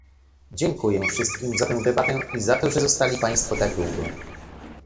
Dziękuję wszystkim za tę debatę i za to, że zostali państwo tak długo